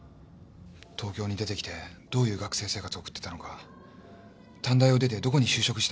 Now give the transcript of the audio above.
東京に出てきてどういう学生生活を送ってたのか短大を出てどこに就職したのかも突き止めてあったんだ。